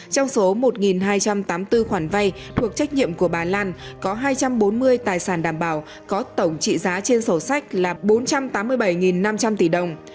trong số một hai trăm tám mươi bốn khoản vay thuộc trách nhiệm của bà lan có hai trăm bốn mươi tài sản đảm bảo có tổng trị giá trên sổ sách là bốn trăm tám mươi bảy năm trăm linh tỷ đồng